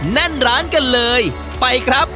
แน่นร้านกันเลยไปครับ